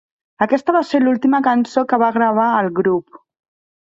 Aquesta va ser l'última cançó que va gravar el grup.